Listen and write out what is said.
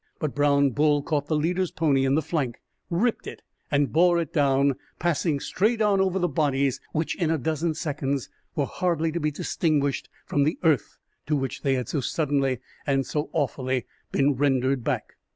But Brown Bull caught the leader's pony in the flank, ripped it and bore it down, passing straight on over the bodies, which, in a dozen seconds, were hardly to be distinguished from the earth to which they had so suddenly and so awfully been rendered back.